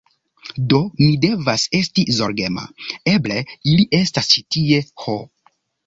Do mi devas esti zorgema. Eble ili estas ĉi tie! Ho!